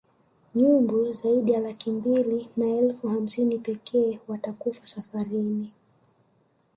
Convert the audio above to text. Nyumbu zaidi ya laki mbili na elfu hamsini pekee watakufa safarini